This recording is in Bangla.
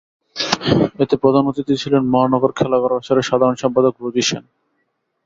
এতে প্রধান অতিথি ছিলেন মহানগর খেলাঘর আসরের সাধারণ সম্পাদক রোজী সেন।